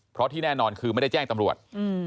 เพราะที่แน่นอนคือไม่ได้แจ้งตำรวจ